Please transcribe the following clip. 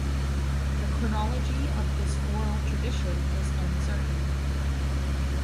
The chronology of this oral tradition is uncertain.